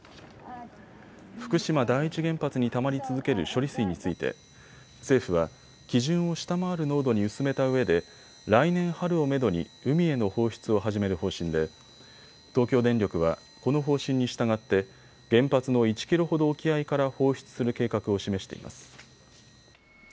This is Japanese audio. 福島第一原発にたまり続ける処理水について政府は、基準を下回る濃度に薄めたうえで来年春をめどに海への放出を始める方針で東京電力は、この方針に従って原発の１キロほど沖合から放出する計画を示しています。